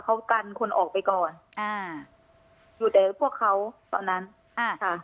เขากันคนออกไปก่อนอ่าอยู่แต่พวกเขาตอนนั้นอ่าค่ะ